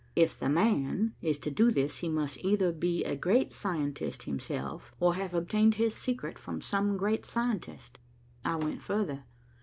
If 'the man' is to do this, he must either be a great scientist himself, or have obtained his secret from some great scientist. I went further.